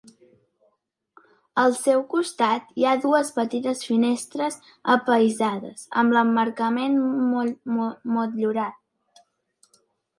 Al seu costat, hi ha dues petites finestres apaïsades, amb l'emmarcament motllurat.